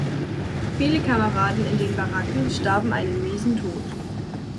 Viele Kameraden in den Baracken starben einen miesen Tod.